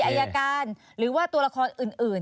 อายการหรือว่าตัวละครอื่น